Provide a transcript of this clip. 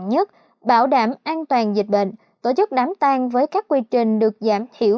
đặc biệt là bảo đảm an toàn dịch bệnh tổ chức đám tan với các quy trình được giảm thiểu